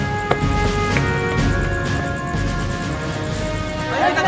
dekat sekali anak itu